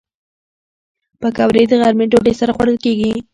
پکورې د غرمې ډوډۍ سره خوړل کېږي